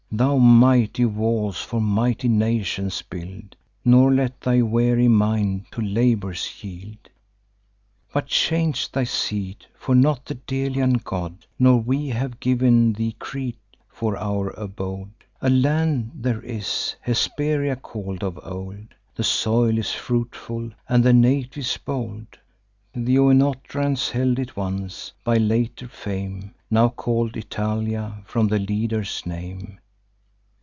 Thou, mighty walls for mighty nations build; Nor let thy weary mind to labours yield: But change thy seat; for not the Delian god, Nor we, have giv'n thee Crete for our abode. A land there is, Hesperia call'd of old, The soil is fruitful, and the natives bold. Th' Oenotrians held it once, by later fame Now call'd Italia, from the leader's name.